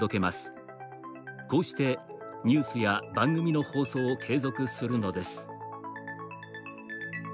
こうして、ニュースや番組の放送を継続するのです。